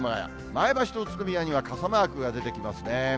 前橋と宇都宮には傘マークが出てきますね。